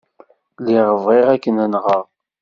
Lliɣ bɣiɣ ad ken-nɣeɣ.